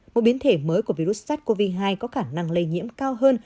một biến thể mới của virus sars cov hai có khả năng lây nhiễm cao hơn